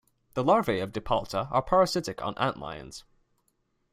The larvae of "Dipalta" are parasitic on antlions.